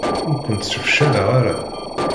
Ur kent-sefcaleɣ ara.